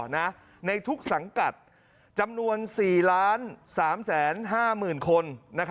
ในทุกสังกัดจำนวน๔๓๕๐๐๐คน